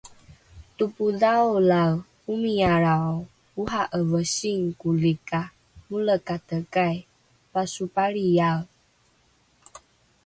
Topodhaolae omiyalrao, oha'eve singkoli ka molekatekai, pasopalriyae!